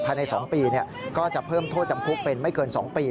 ภายใน๒ปีก็จะเพิ่มโทษจำคุกเป็นไม่เกิน๒ปี